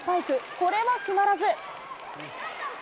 これは決まらず。